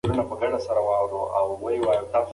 دا مېوه د طبیعي قند تر ټولو غوره او خوندي منبع ده.